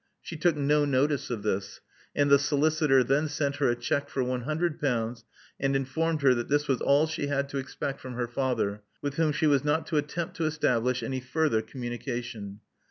She took no notice of this ; and the solicitor then sent her a cheque for one hundred pounds, and informed her that this was all she had to expect from her father, with whom she was not to attempt to establish any further communication.